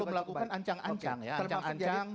ya kita selalu melakukan ancang ancang